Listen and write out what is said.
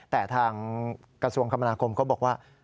แต่ทางกระทรวงคมนาคมก็บอกว่า